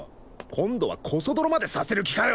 今度はコソ泥までさせる気かよ！